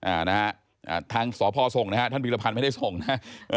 อ่านะฮะทางสพส่งนะฮะท่านผิวรพันธุ์ไม่ได้ส่งนะ